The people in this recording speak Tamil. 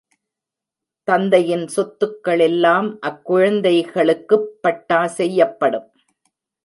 தந்தையின் சொத்துக்களெல்லாம் அக் குழந்தைகளுக்குப் பட்டா செய்யப்படும்.